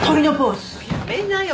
やめなよ。